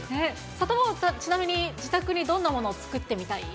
サタボー、ちなみに自宅にどんなものを作ってみたい？